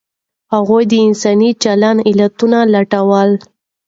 هغوی د انساني چلند علتونه لټول.